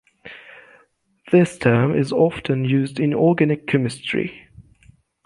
This term is often used in organic chemistry.